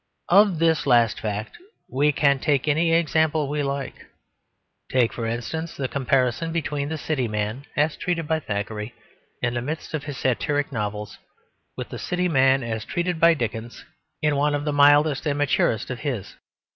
Of this last fact we can take any example we like; take for instance the comparison between the city man as treated by Thackeray in the most satiric of his novels, with the city man as treated by Dickens in one of the mildest and maturest of his.